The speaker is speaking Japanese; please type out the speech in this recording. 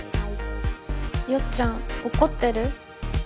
よっちゃん怒ってる？